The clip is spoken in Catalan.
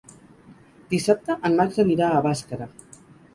Dissabte en Max anirà a Bàscara.